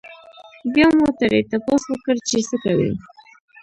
بيا مو ترې تپوس وکړو چې څۀ کوئ؟